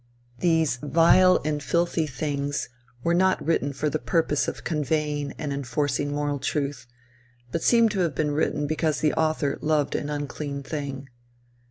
These vile and filthy things were not written for the purpose of conveying and enforcing moral truth, but seem to have been written because the author loved an unclean thing.